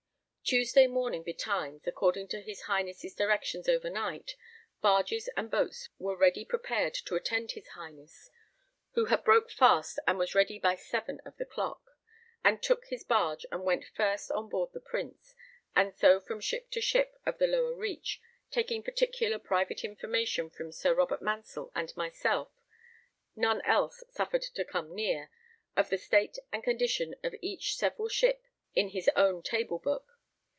Tuesday morning betimes, according to his Highness' directions overnight, barges and boats were ready prepared to attend his Highness; who had broke fast and was ready by seven of the clock, and took his barge and went first on board the Prince, and so from ship to ship of the lower reach, taking particular private information from Sir Robert Mansell and myself (none else suffered to come near) of the state and condition of each several ship in his own table book.